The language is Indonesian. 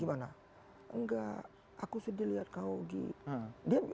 enggak aku sedih lihat kau egy